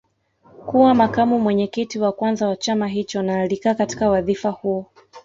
Kuwa makamu mwenyekiti wa kwanza wa chama hicho na alikaa katika wadhifa huo